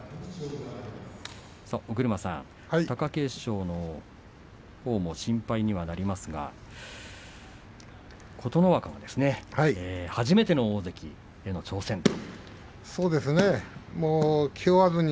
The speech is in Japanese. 尾車さん貴景勝のほうも心配にはなりますが琴ノ若が初めての大関への挑戦と。